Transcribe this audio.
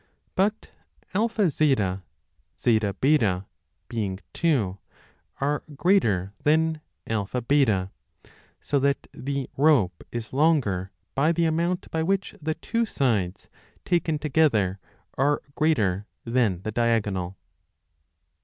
But AZ, ZB, being two, are greater than AB, so that the rope is longer by the amount by which the two sides taken together are greater than the diagonal.